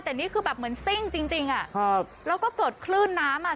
แต่นี่คือแบบเหมือนซิ่งจริงแล้วก็เกิดคลื่นน้ำ